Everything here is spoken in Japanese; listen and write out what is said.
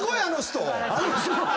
「あの人」！